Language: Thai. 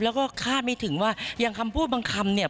แล้วก็คาดไม่ถึงว่าอย่างคำพูดบางคำเนี่ย